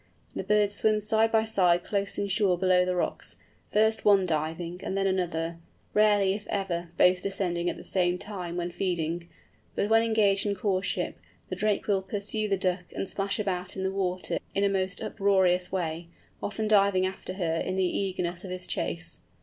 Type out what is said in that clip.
The birds swim side by side close inshore below the rocks, first one diving, and then another, rarely, if ever, both descending at the same time when feeding; but when engaged in courtship, the drake will pursue the duck, and splash about in the water in a most uproarious way, often diving after her in the eagerness of his chase.